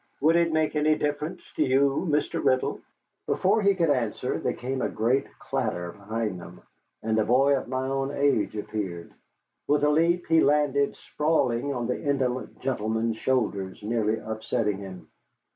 "Would it make any difference to you, Mr. Riddle?" Before he could answer there came a great clatter behind them, and a boy of my own age appeared. With a leap he landed sprawling on the indolent gentleman's shoulders, nearly upsetting him.